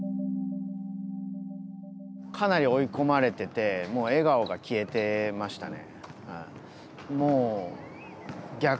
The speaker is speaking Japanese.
かなり追い込まれててもう笑顔が消えてましたね。